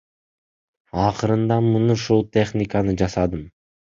Акырында мын ушул техниканы жасадым.